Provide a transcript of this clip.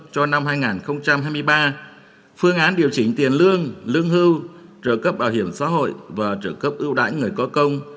cho năm hai nghìn hai mươi ba phương án điều chỉnh tiền lương lương hưu trợ cấp bảo hiểm xã hội và trợ cấp ưu đãi người có công